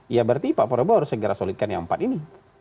ya berarti pak prabowo harus segera solidkan yang empat ini